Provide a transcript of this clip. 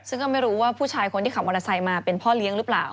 ซึ่งก็ไม่รู้ว่าผู้ชายคนที่ขับมอเตอร์ไซค์มาเป็นพ่อเลี้ยงหรือเปล่า